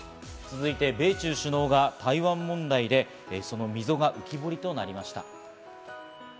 続いて米中首脳が台湾問題でその溝が浮き彫りとなりました。